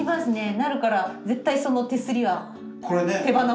なるから絶対その手すりは手放さないです。